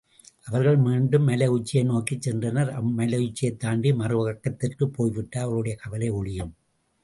அவர்கள் மீண்டும் மலையுச்சியை நோக்கிச் சென்றனர் அம்மலையைத் தாண்டி மறுபக்கத்திற்குப் போய்விட்டால் அவர்களுடைய கவலை ஒழியும்.